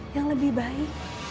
yang lebih baik